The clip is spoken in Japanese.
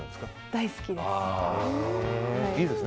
大好きです。